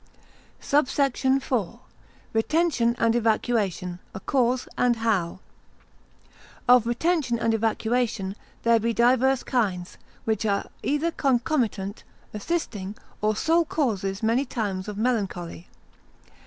SUBSECT. IV.—Retention and Evacuation a cause, and how. Of retention and evacuation, there be divers kinds, which are either concomitant, assisting, or sole causes many times of melancholy.